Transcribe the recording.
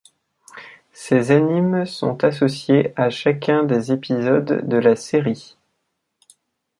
Ces animes sont associés à chacun des épisodes de la série.